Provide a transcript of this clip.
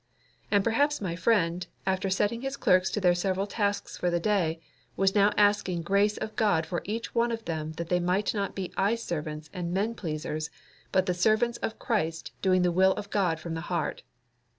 And perhaps my friend, after setting his clerks their several tasks for the day, was now asking grace of God for each one of them that they might not be eye servants and men pleasers, but the servants of Christ doing the will of God from the heart.